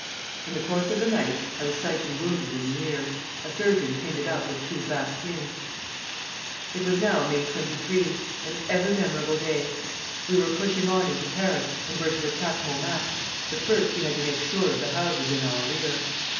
In the course of the night I was slightly wounded in the ear. A surgeon pinned it up with two black pins. "It was now May 23, an ever memorable day. We were pushing on into Paris, and were to attack Montmartre; but first we had to make sure of the houses in our rear.